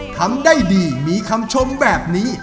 ทำได้ดีมีคำชมแบบนี้